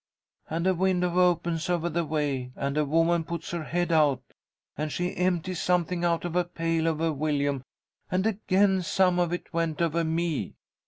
And a window opens over the way, and a woman puts her head out, and she empties something out of a pail over Willyum, and again some of it went over me.